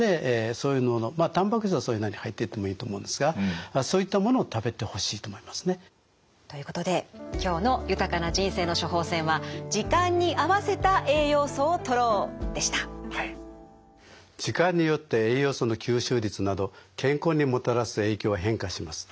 でまあたんぱく質はそれなりに入っててもいいと思うんですがそういったものを食べてほしいと思いますね。ということで今日の豊かな人生の処方せんは時間によって栄養素の吸収率など健康にもたらす影響は変化します。